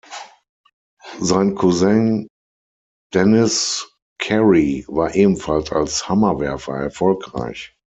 Sein Cousin Denis Carey war ebenfalls als Hammerwerfer erfolgreich.